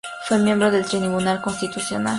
Fue miembro del Tribunal Constitucional.